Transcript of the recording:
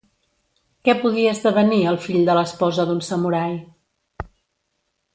Què podia esdevenir el fill de l'esposa d'un samurai?